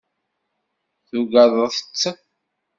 Tugadeḍ-tt?